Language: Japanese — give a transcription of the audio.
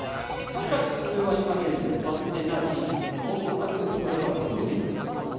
しかし、それは今現在奪ってないし恐らくこれからも無理だと思います。